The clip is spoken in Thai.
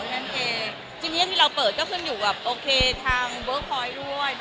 อย่างเงี้ยจริงที่เราเปิดก็ขึ้นอยู่กับโอเคทางเบอร์คอยด์ด้วย